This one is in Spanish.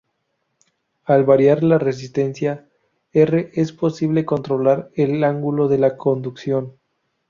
Al variar la resistencia R, es posible controlar el ángulo de conducción.